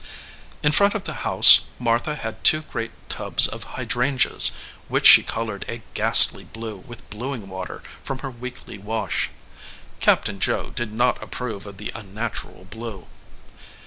In front of the house Martha had two great tubs of hydrangeas, which she colored a ghastly blue with bluing water from her weekly wash. Captain Joe did not approve of the unnatural blue.